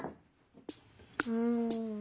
うん。